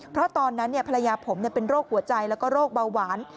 เพราะตอนนั้นภรรยาผมเป็นโรคหัวใจแล้วก็โรคเบาหวาน